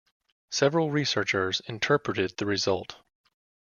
Several researchers interpreted the result.